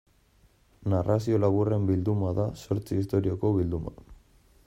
Narrazio laburren bilduma da, zortzi istorioko bilduma.